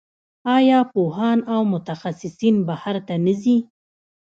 آیا پوهان او متخصصین بهر ته نه ځي؟